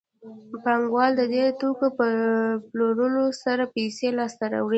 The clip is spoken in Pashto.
پانګوال د دې توکو په پلورلو سره پیسې لاسته راوړي